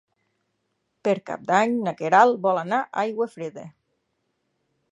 Per Cap d'Any na Queralt vol anar a Aiguafreda.